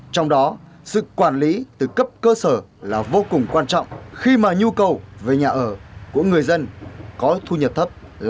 trong đó sự quản lý từ cấp cơ sở là vô cùng quan trọng khi mà nhu cầu về nhà ở của người dân có thu nhập thấp